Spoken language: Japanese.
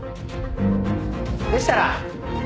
・でしたら。